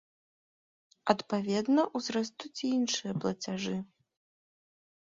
Адпаведна, узрастуць і іншыя плацяжы.